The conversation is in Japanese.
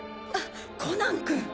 コナン君！